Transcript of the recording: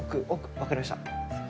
分かりました。